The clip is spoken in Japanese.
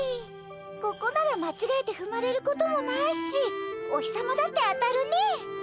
ここならまちがえてふまれることもないしお日さまだって当たるね。